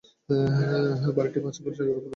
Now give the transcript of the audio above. বাড়িটি পাঁচ একর জায়গার উপর প্রতিষ্ঠিত।